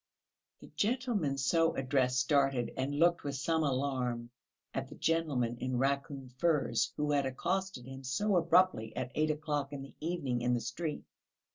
The gentleman so addressed started and looked with some alarm at the gentleman in raccoon furs who had accosted him so abruptly at eight o'clock in the evening in the street.